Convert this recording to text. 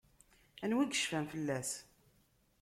Anwa i yecfan fell-as?